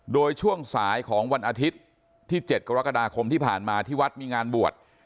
โดยช่วงสายของวันอาทิตย์ที่๗กรกฎาคมที่ผ่านมาที่วัดมีงานบวช